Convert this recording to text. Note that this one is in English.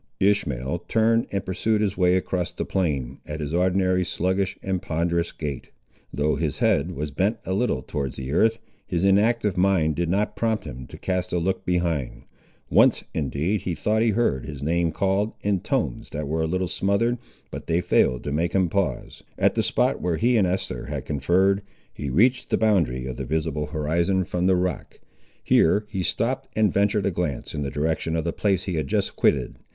Ishmael turned and pursued his way across the plain, at his ordinary sluggish and ponderous gait. Though his head was bent a little towards the earth, his inactive mind did not prompt him to cast a look behind. Once, indeed, he thought he heard his name called, in tones that were a little smothered, but they failed to make him pause. At the spot where he and Esther had conferred, he reached the boundary of the visible horizon from the rock. Here he stopped, and ventured a glance in the direction of the place he had just quitted.